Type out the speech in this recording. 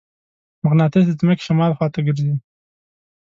مقناطیس د ځمکې شمال خواته ګرځي.